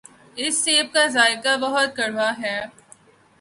اس سیب کا ذائقہ بہت کڑوا ہے۔